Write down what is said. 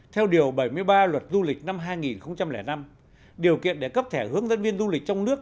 theo điều bảy mươi ba luật du lịch năm hai nghìn năm điều kiện để cấp thẻ hướng dẫn viên du lịch trong nước